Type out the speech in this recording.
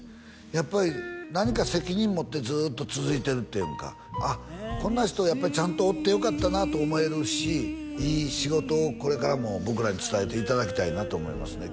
やっぱり何か責任持ってずっと続いてるっていうんか「こんな人やっぱりちゃんとおってよかったな」と思えるしいい仕事をこれからも僕らに伝えていただきたいなと思いますね